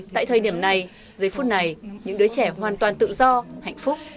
tại thời điểm này dưới phút này những đứa trẻ hoàn toàn tự do hạnh phúc